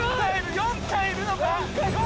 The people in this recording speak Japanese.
４体いるのか？